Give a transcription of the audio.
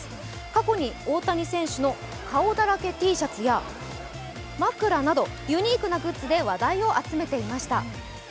過去に大谷選手の顔だらけＴシャツや枕などユニークなグッズで話題を集めていました。